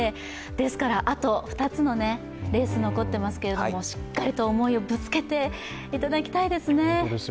ですからあと２つのレース残ってますけれどもしっかりと思いをぶつけていただきたいですね。